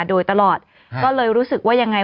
โดยตลอดก็เลยรู้สึกว่ายังไง